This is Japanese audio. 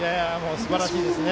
すばらしいですね。